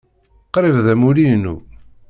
Qrib d amulli-inu.